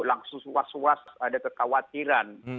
langsung suas suas ada kekhawatiran